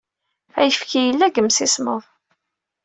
Ayefki, yella deg yimsismeḍ.